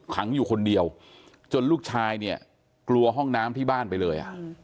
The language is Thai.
ขังอยู่คนเดียวจนลูกชายเนี่ยกลัวห้องน้ำที่บ้านไปเลย